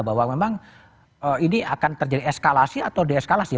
bahwa memang ini akan terjadi eskalasi atau deeskalasi